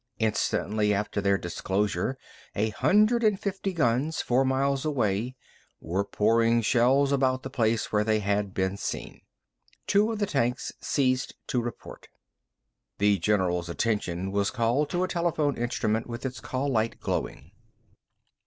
Instantly after their disclosure a hundred and fifty guns, four miles away, were pouring shells about the place where they had been seen. Two of the tanks ceased to report. The general's attention was called to a telephone instrument with its call light glowing.